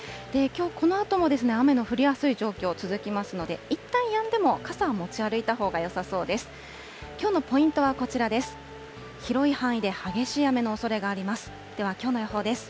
きょうこのあとも雨の降りやすい状況、続きますので、いったんやんでも傘は持ち歩いたほうがよさそうです。